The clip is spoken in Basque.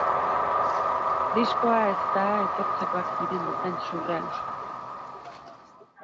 Diskoa ez da etortzekoak ziren bezain surrealista.